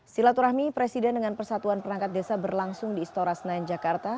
silaturahmi presiden dengan persatuan perangkat desa berlangsung di istora senayan jakarta